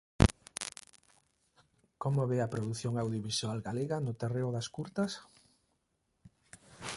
Como ve a produción audiovisual galega no terreo das curtas?